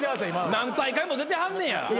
何大会も出てはんねや。